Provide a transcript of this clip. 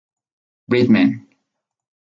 Blind man